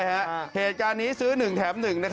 เหตุจานี้ซื้อหนึ่งแถมหนึ่ง